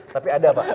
tapi ada pak